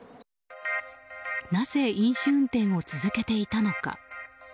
なぜ飲酒運転を続けていたのか。